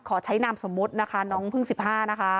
ขอใช้นามสมมุตินะคะน้องพึ่ง๑๕นะคะ